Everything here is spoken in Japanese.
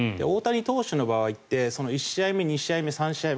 大谷投手の場合って１試合目２試合